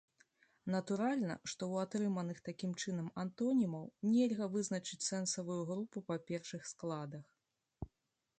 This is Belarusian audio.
Натуральна, што ў атрыманых такім чынам антонімаў нельга вызначыць сэнсавую групу па першых складах.